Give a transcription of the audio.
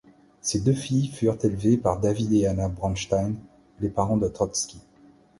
Ses deux filles furent élevées par David et Anna Bronstein, les parents de Trotski.